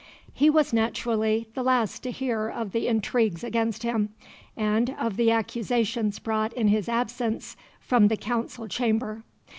He was naturally the last to hear of the intrigues against him, and of the accusations brought in his absence from the Council chamber.